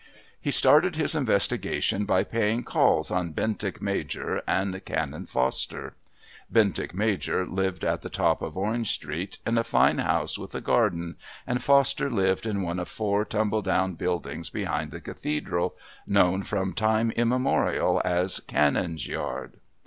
He started his investigations by paying calls on Bentinck Major and Canon Foster. Bentinck Major lived at the top of Orange Street, in a fine house with a garden, and Foster lived in one of four tumble down buildings behind the Cathedral, known from time immemorial as Canon's Yard.